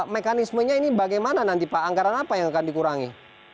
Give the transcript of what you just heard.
mekanismenya ini bagaimana nanti pak anggaran apa yang akan dikurangi